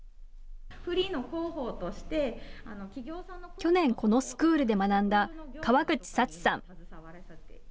去年、このスクールで学んだ川口紗知さん。